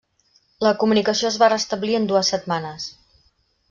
La comunicació es va restablir en dues setmanes.